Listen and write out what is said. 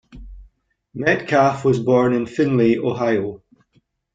Metcalf was born in Findlay, Ohio.